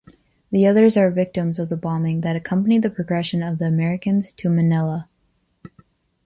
The others are victims of the bombings that accompanied the progression of the Americans to Manilla.